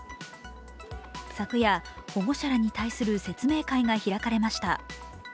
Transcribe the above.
昨夜、保護者らに対する説明会が開かれました。